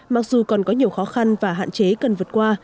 mặc dù còn có nhiều khó khăn và hạn chế cần vượt qua